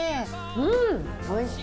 うんおいしい。